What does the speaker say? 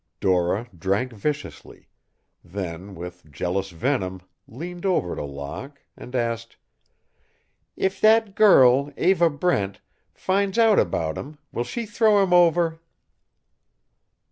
Dora drank viciously, then, with jealous venom, leaned over to Locke, and asked, "If that girl, Eva Brent, finds out about him, will she throw him over?"